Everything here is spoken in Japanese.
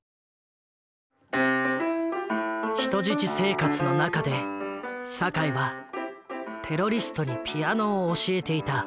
人質生活の中で酒井はテロリストにピアノを教えていた。